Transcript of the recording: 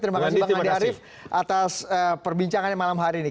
terima kasih bang andi arief atas perbincangannya malam hari ini